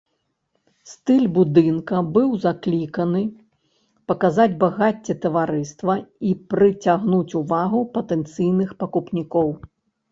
Стыль будынка быў закліканы паказаць багацце таварыства і прыцягнуць увагу патэнцыйных пакупнікоў.